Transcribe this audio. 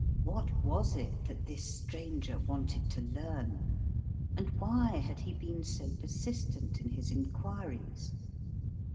What was it that this stranger wanted to learn, and why had he been so persistent in his inquiries?